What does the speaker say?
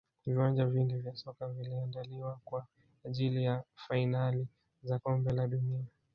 viwanja vingi vya soka viliandaliwa kwa ajili ya fainali za kombe la dunia